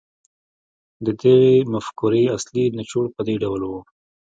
د دې مفکورې اصلي نچوړ په دې ډول و